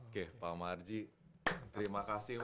oke pak marji terima kasih